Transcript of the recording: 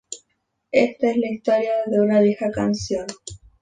Esta es la historia de una vieja canción.